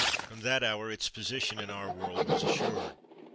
From that hour its position in our world was assured.